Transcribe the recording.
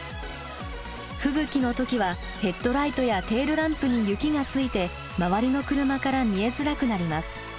吹雪の時はヘッドライトやテールランプに雪がついて周りの車から見えづらくなります。